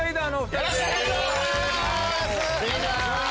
よろしくお願いします！